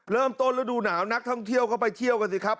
เริ่มต้นฤดูหนาวนักท่องเที่ยวก็ไปเที่ยวกันสิครับ